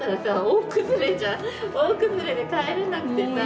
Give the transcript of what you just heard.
大崩れで帰れなくてさ。